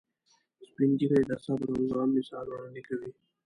سپین ږیری د صبر او زغم مثال وړاندې کوي